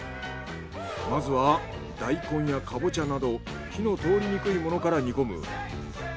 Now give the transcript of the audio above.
まずは大根やカボチャなど火の通りにくいものから煮込む。